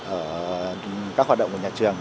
ở các hoạt động của nhà trường